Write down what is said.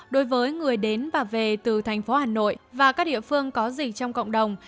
đối với người đến và về từ thành phố hà nội và các địa phương có dịch trong cộng đồng